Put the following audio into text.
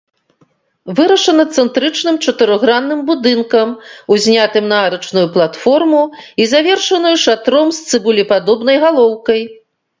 Вырашана цэнтрычным чатырохгранным будынкам, узнятым на арачную платформу і завершаную шатром з цыбулепадобнай галоўкай.